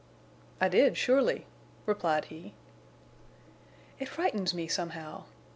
"I did, surely," replied he. "It frightens me, somehow.